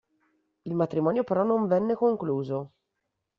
Il matrimonio però non venne concluso.